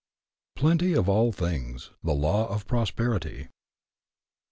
PLENTY OF ALL THINGS THE LAW OF PROSPERITY.